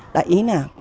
đại ý nào